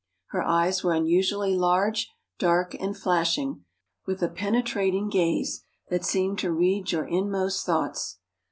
Her eyes were unusually large, dark, and flashing, with a penetrating gaze that seemed to read your inmost thoughts.